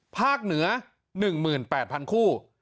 ภาคเหนือ๑๘๐๐คู่